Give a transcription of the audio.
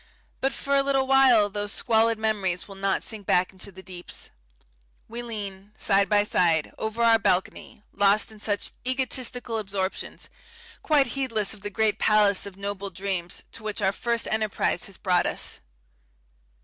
But for a little while those squalid memories will not sink back into the deeps. We lean, side by side, over our balcony, lost in such egotistical absorptions, quite heedless of the great palace of noble dreams to which our first enterprise has brought us.